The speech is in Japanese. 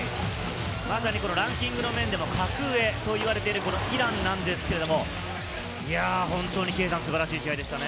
ランキングの面でも格上と言われているイランですが、ホントに素晴らしい試合でしたね。